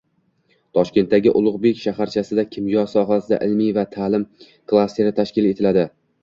Toshkentdagi Ulug‘bek shaharchasida kimyo sohasida ilmiy va ta’lim klasteri tashkil etiladi.